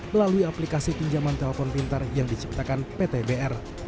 melalui aplikasi pinjaman telepon pintar yang diciptakan pt br